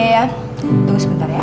tunggu sebentar ya